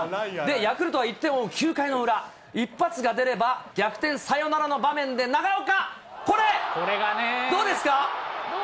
ヤクルトは１点を追う９回の裏、一発が出れば逆転サヨナラの場面でながおか。